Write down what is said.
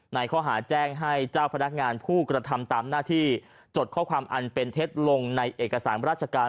ในข้อหาแจ้งให้เจ้าพนักงานผู้กระทำตามหน้าที่จดข้อความอันเป็นเท็จลงในเอกสารราชการ